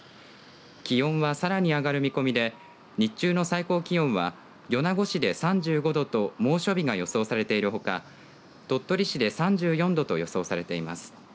気温は、さらに上がる見込みで日中の最高気温は米子市で３５度と猛暑日が予想されているほか鳥取市で３４度と予想されています。